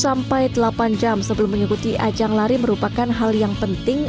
sampai delapan jam sebelum mengikuti ajang lari merupakan hal yang penting